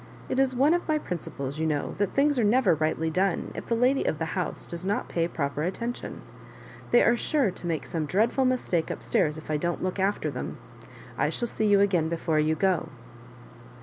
It is one of my principles, you know, that things are never rightly done if the lady of the house does not pay proper attention. They are sure to make some dreadful mistake up stairs if I don't look after them. I shall see you again before you go."